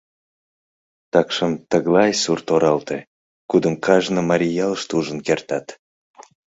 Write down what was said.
Такшым тыглай сурт-оралте, кудым кажне марий ялыште ужын кертат.